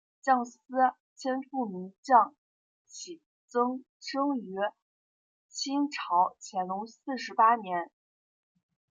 蒋斯千父名蒋祈增生于清朝乾隆四十八年。